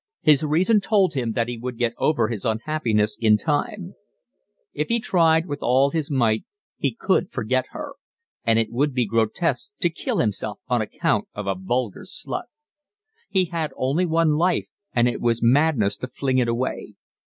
His reason told him that he would get over his unhappiness in time; if he tried with all his might he could forget her; and it would be grotesque to kill himself on account of a vulgar slut. He had only one life, and it was madness to fling it away.